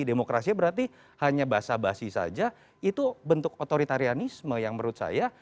demokrasi berarti hanya basa basi saja itu bentuk otoritarianisme yang menurut saya